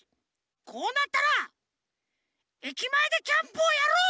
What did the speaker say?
こうなったら駅前でキャンプをやろう！